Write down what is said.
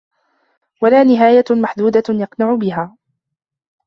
وَلَا نِهَايَةٌ مَحْدُودَةٌ يَقْنَعُ بِهَا